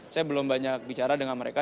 saya belum banyak bicara dengan mereka